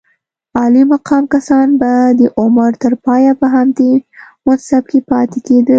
عالي مقام کسان به د عمر تر پایه په همدې منصب کې پاتې کېدل.